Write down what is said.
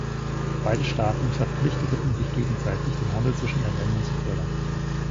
Beide Staaten verpflichteten sich gegenseitig, den Handel zwischen ihren Ländern zu fördern.